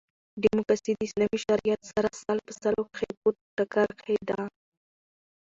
ډیموکاسي د اسلامي شریعت سره سل په سلو کښي په ټکر کښي ده.